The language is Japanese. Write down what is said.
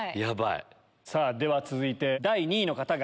では続いて第２位の方が。